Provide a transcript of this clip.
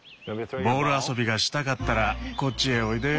ボール遊びがしたかったらこっちへおいで。